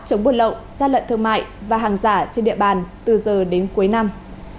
chống buôn lậu gia lận thương mại và hàng giả trên địa bàn từ giờ đến cuối năm